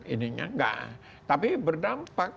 ininya gak tapi berdampak